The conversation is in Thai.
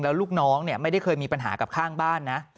อารมณ์ไม่ดีเพราะว่าอะไรฮะ